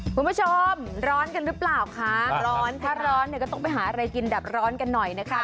คุณผู้ชมร้อนกันหรือเปล่าคะร้อนถ้าร้อนเนี่ยก็ต้องไปหาอะไรกินดับร้อนกันหน่อยนะคะ